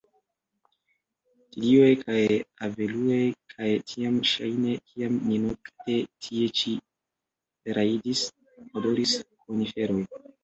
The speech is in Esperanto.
Tilioj kaj avelujoj, kaj tiam ŝajne, kiam ni nokte tie ĉi rajdis, odoris koniferoj.